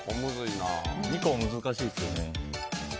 ２個は難しいですよね。